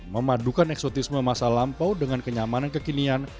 memadukan eksotisme masa lampau dengan kenyamanan kekinian